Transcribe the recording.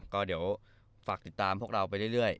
ก็เดี๋ยวฝากติดตามพวกเราไปเรื่อย